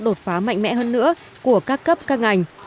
đó là một giải pháp đột phá mạnh mẽ hơn nữa của các cấp các ngành